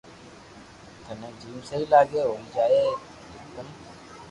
ٿني جيم سھي لاگي ھوئي جائي ٺيڪ ٺيڪ